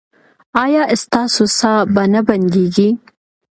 ایا ستاسو ساه به نه بندیږي؟